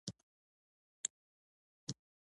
پوخ امید ناهیلي نه کوي